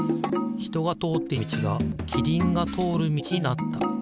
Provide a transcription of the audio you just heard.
ひとがとおっていたみちがキリンがとおるみちになった。